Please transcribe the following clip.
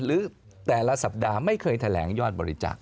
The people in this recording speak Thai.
หรือแต่ละสัปดาห์ไม่เคยแถลงยอดบริจาค